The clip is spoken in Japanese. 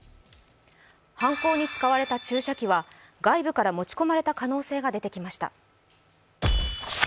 犯行に使われた注射器は外部から持ち込まれた可能性が出てきました。